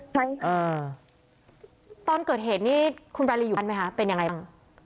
ไหมอ่าตอนเกิดเหตุนี้คุณบารีอยู่ท่านไหมคะเป็นยังไงบ้าง